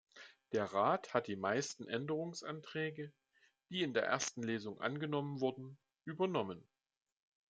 Der Rat hat die meisten Änderungsanträge, die in der ersten Lesung angenommen wurden, übernommen.